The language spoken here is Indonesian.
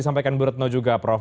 disampaikan burtno juga prof